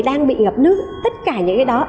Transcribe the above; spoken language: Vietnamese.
đang bị ngập nước tất cả những cái đó